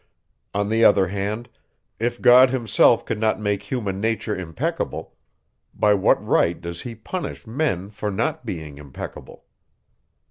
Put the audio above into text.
On the other hand, if God himself could not make human nature impeccable, by what right does he punish men for not being impeccable?